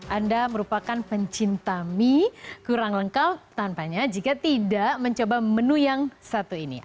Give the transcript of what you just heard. anda merupakan pencinta mie kurang lengkap tanpanya jika tidak mencoba menu yang satu ini